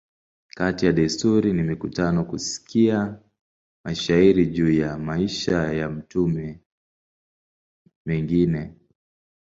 Kati ya desturi ni mikutano, kusikia mashairi juu ya maisha ya mtume a mengine.